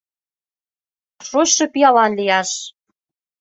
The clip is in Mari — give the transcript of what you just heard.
Шочшо пиалан лияш».